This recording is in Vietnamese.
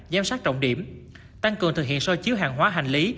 giám sát trọng điểm tăng cường thực hiện so chiếu hàng hóa hành lý